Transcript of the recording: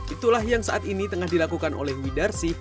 itulah yang saat ini tengah dilakukan oleh widarsi